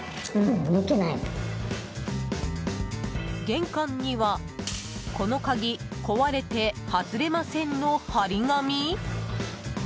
玄関には「この鍵こわれてはずれません」の貼り紙？